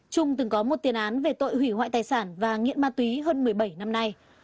trung từng có một tiền án về tội hủy hoại tài sản và nghiện ma túy hơn một mươi bảy năm nay